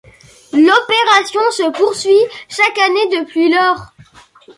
L'opération se poursuit chaque année depuis lors.